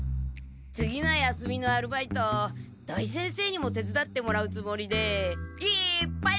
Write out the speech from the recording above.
次の休みのアルバイト土井先生にもてつだってもらうつもりでいっぱい受けちゃいました。